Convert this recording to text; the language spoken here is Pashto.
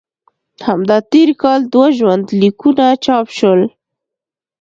همدا تېر کال دوه ژوند لیکونه چاپ شول.